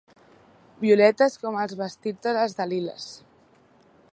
Violetes com els vestits de les Daliles.